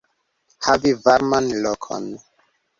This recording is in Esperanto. Havi varman lokon.